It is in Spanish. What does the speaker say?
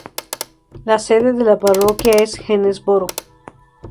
La sede de la parroquia es Jonesboro.